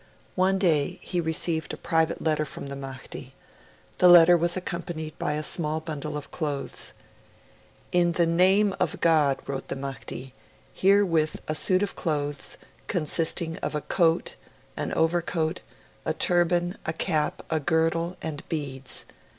One day, he received a private letter from the Mahdi. The letter was accompanied by a small bundle of clothes. 'In the name of God!' wrote the Mahdi, 'herewith a suit of clothes, consisting of a coat (jibbeh), an overcoat, a turban, a cap, a girdle, and beads.